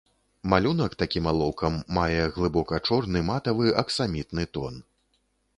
Малюнак такім алоўкам мае глыбока чорны, матавы, аксамітны тон.